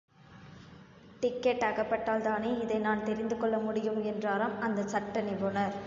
Ticket அகப்பட்டால்தானே இதை நான் தெரிந்து கொள்ள முடியும் என்றாராம் அந்தச் சட்ட நிபுணர்.